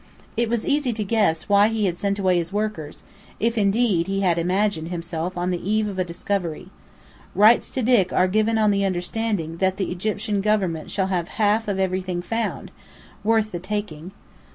It was easy to guess why he had sent away his workers if, indeed, he had imagined himself on the eve of a discovery. Rights to dig are given on the understanding that the Egyptian government shall have half of anything found, worth the taking.